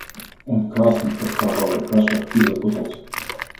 Он красный, как кровавая каша, и запутался.